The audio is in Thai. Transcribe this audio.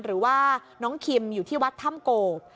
หรือว่าน้องคิมอยู่ที่วัดถ้ำโกบ